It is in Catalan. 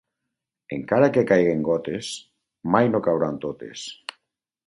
Encara que caiguin gotes, mai no cauran totes.